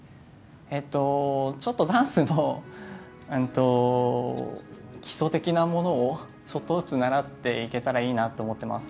ちょっとダンスの基礎的なものをちょっとずつ習っていけたらいいなと思ってます。